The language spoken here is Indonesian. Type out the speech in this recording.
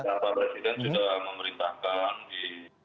pak presiden sudah memerintahkan di